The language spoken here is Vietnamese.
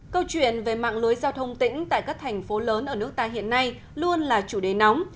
câu chuyện về mạng lưới giao thông tỉnh tại các thành phố lớn ở nước ta hiện nay luôn là chủ đề nóng